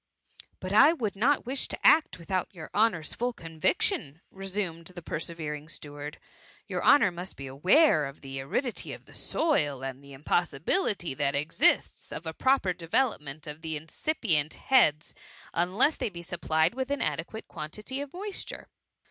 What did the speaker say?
*^" But I would not wish to act without your honour's full conviction,^ resumed the perse vering steward. *^ Your honour must be aware of the aridity of the soil, and of the impossi bility that exists of a proper developement of w« THE MUMMY. SQ the incipient heads, unless they be supplied with an adequate quantity of moisture."